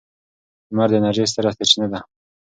لمر د انرژۍ ستره سرچینه ده.